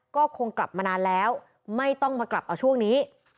ก็คงกลับมานานแล้วไม่ต้องมากลับเอาช่วงนี้